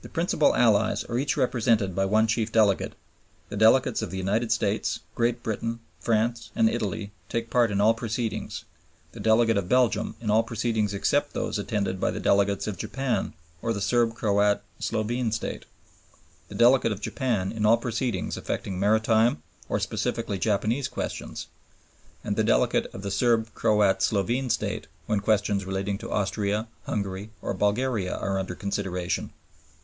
The principal Allies are each represented by one chief delegate. The delegates of the United States, Great Britain, France, and Italy take part in all proceedings; the delegate of Belgium in all proceedings except those attended by the delegates of Japan or the Serb Croat Slovene State; the delegate of Japan in all proceedings affecting maritime or specifically Japanese questions; and the delegate of the Serb Croat Slovene State when questions relating to Austria, Hungary, or Bulgaria are under consideration.